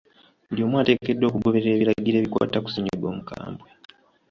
Buli omu ateekeddwa okugoberera ebiragiro ebikwata ku ssennyiga omukambwe.